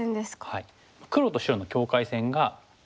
はい。